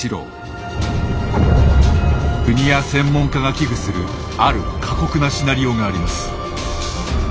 国や専門家が危惧するある過酷なシナリオがあります。